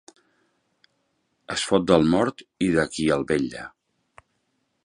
Es fot del mort i de qui el vetlla.